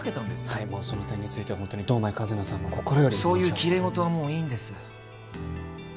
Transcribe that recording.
はいもうその点については本当に堂前一奈さんも心よりそういうきれい事はもういいんです